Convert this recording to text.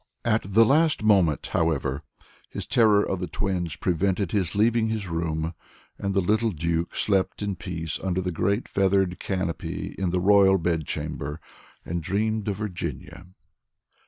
At the last moment, however, his terror of the twins prevented his leaving his room, and the little Duke slept in peace under the great feathered canopy in the Royal Bedchamber, and dreamed of Virginia.